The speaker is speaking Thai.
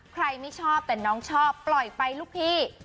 ไม่ชอบแต่น้องชอบปล่อยไปลูกพี่